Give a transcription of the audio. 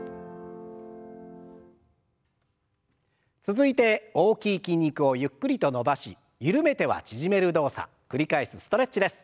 続いて大きい筋肉をゆっくりと伸ばし緩めては縮める動作繰り返すストレッチです。